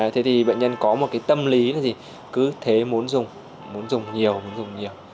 thế thì bệnh nhân có một cái tâm lý là gì cứ thế muốn dùng muốn dùng nhiều muốn dùng nhiều